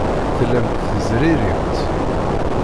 Tellamt tezririmt.